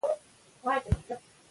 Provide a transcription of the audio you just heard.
دا یو ډیر سخت شرط و.